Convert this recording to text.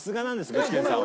具志堅さんは。